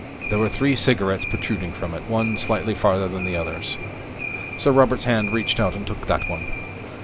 There were three cigarettes protruding from it, one slightly farther than the others. Sir Robert's hand reached out and took that one.